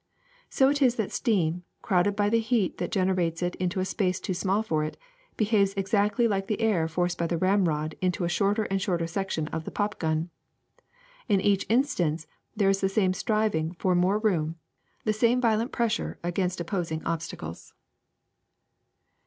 So it is that steam, crowded by the heat that gen erates it into a space too small for it, behaves exactly like the air forced by the ramrod into a shorter and shorter section of tnc pop gun. In each instance there is the same striving for more room, the same violent pressure against opposing obstacles.'